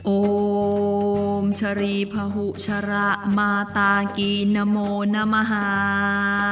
โอมชรีพหุชระมาตากีนโมนมหา